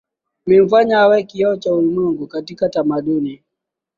Imemfanya awe kioo cha ulimwengu katika tamaduni